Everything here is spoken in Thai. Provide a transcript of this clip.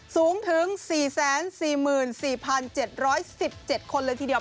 สูงถึง๔๔๔๗๑๗คนเลยทีเดียว